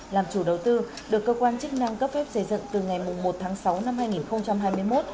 làm chủ đầu tư được cơ quan chức năng cấp phép xây dựng từ ngày một tháng sáu năm hai nghìn hai mươi một